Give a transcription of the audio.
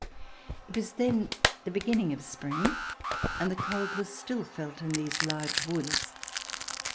It was then the beginning of spring and the cold was still felt in these large woods.